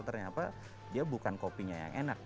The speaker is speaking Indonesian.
ternyata dia bukan kopinya yang enak